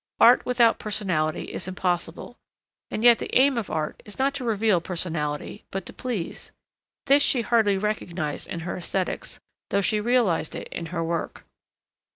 Art without personality is impossible. And yet the aim of art is not to reveal personality, but to please. This she hardly recognised in her aesthetics, though she realised it in her work.